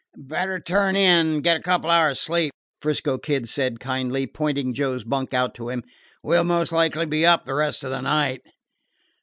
"Better turn in and get a couple of hours' sleep," 'Frisco Kid said kindly, pointing Joe's bunk out to him. "We 'll most likely be up the rest of the night."